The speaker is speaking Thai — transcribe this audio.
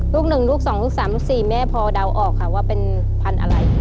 ลูก๑ลูก๒ลูก๓ลูก๔แม่พอเดาออกค่ะว่าเป็นพันธุ์อะไร